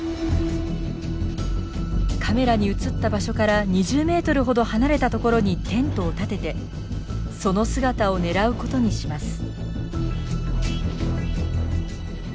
カメラに写った場所から２０メートルほど離れたところにテントを立ててその姿を狙うことにします。